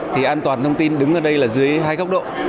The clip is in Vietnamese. thì an toàn thông tin đứng ở đây là dưới hai góc độ